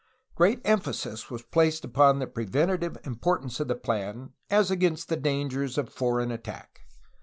Great emphasis was placed upon the preventive importance of the plan as against the dangers of foreign attack.